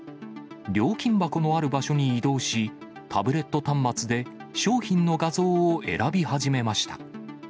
料金箱のある場所に移動し、タブレット端末で商品の画像を選び始めました。